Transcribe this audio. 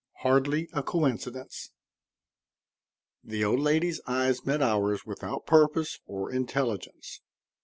HARDLY A COINCIDENCE The old lady's eyes met ours without purpose or intelligence.